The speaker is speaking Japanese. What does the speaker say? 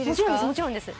もちろんです。